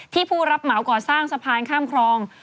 ผู้รับเหมาก่อสร้างสะพานข้ามคลอง